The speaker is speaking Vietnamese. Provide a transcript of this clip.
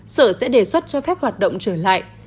sở sẽ đề xuất cho phép hoạt động trở lại